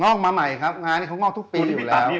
อกมาใหม่ครับงานนี้เขางอกทุกปีอยู่แล้ว